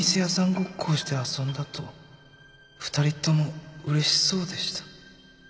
ごっこをして遊んだと二人ともうれしそうでした」